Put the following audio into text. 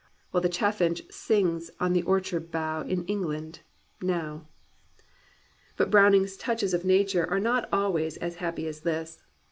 While the chaffinch sings on the orchard bough In England — ^now!" But Browning's touches of nature are not always as happy as this.